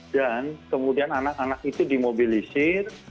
dan kemudian anak anak itu dimobilisir